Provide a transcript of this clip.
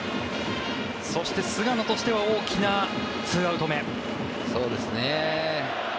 そして、菅野としては大きな２アウト目。